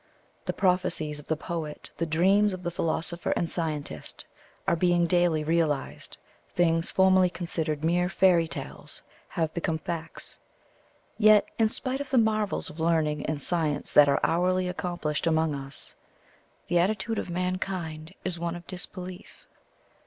The prophecies of the poet, the dreams of the philosopher and scientist, are being daily realized things formerly considered mere fairy tales have become facts yet, in spite of the marvels of learning and science that are hourly accomplished among us, the attitude of mankind is one of disbelief.